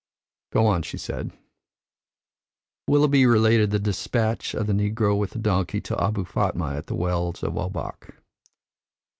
"Go on," she said. Willoughby related the despatch of the negro with the donkey to Abou Fatma at the Wells of Obak.